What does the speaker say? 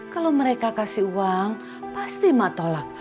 kalau mereka kasih uang pasti ma tolak